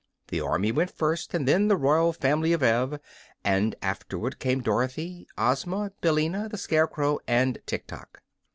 The army went first, and then the royal family of Ev, and afterward came Dorothy, Ozma, Billina, the Scarecrow and Tiktok.